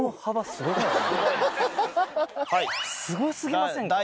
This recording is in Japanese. すご過ぎませんか？